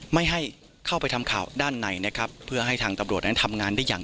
ไม่ให้เข้าไปทำข่าวด้านในนะครับเพื่อให้ทางตำรวจนั้นทำงานได้อย่าง